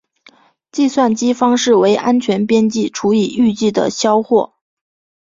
计算方式为安全边际除以预计的销货。